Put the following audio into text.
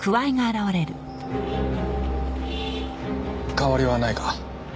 変わりはないか？